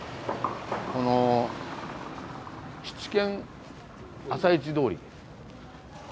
この「七間朝市通り」。